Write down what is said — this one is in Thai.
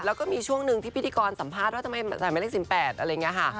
แล้วก็มีช่วงนึงที่พิธีกรสัมภาษณ์ว่าทำไมใส่หมายเลข๑๘